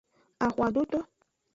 Axwadoto.